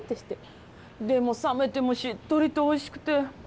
でも冷めてもしっとりとおいしくて。